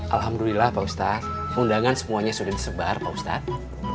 alhamdulillah pak ustadz undangan semuanya sudah disebar pak ustadz